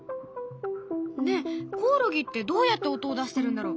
ねえコオロギってどうやって音を出してるんだろう？